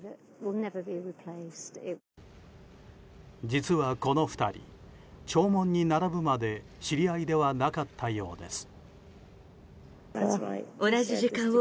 実はこの２人弔問に並ぶまで知り合いではなかったようです。